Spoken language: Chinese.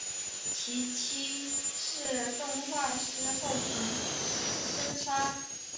其妻是动画师后藤真砂子。